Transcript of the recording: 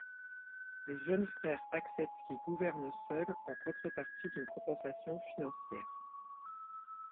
Les jeunes frères acceptent qu'il gouverne seul en contrepartie d'une compensation financière.